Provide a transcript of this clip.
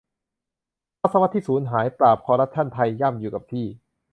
ทศวรรษที่สูญหาย ปราบคอร์รัปชั่นไทยย่ำอยู่กับที่